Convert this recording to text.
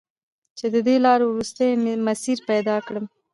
چې د دې لارو، وروستی مسیر پیدا کړم